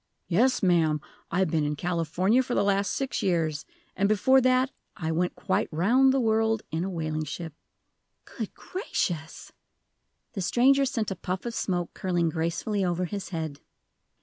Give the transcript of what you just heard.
"Yes, ma'am. I've been in California for the last six years. And before that I went quite round the world in a whaling ship!" "Good gracious!" The stranger sent a puff of smoke curling gracefully over his head.